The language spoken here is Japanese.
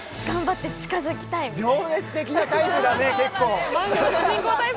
情熱的なタイプだね結構！